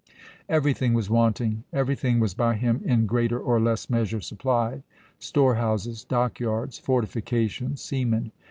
Everything was wanting; everything was by him in greater or less measure supplied, storehouses, dock yards, fortifications, seamen.